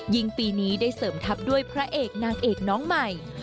ปีนี้ได้เสริมทัพด้วยพระเอกนางเอกน้องใหม่